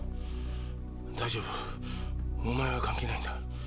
大丈夫お前は関係ないんだ。